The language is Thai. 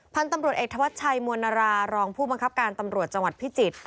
พันธุ์ตำรวจเอกธวัชชัยมวลนารารองผู้บังคับการตำรวจจังหวัดพิจิตร